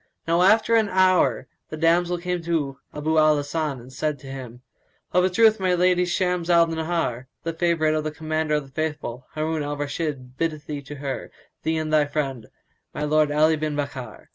Now after an hour the damsel came to Abu al Hasan and said to him, "Of a truth my lady Shams al Nahár, the favourite of the Commander of the Faithful, Harun al Rashid, biddeth thee to her, thee and thy friend, my lord Ali bin Bakkar."